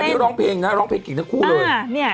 นี่ร้องเพลงนะร้องเพลงเก่งทั้งคู่เลย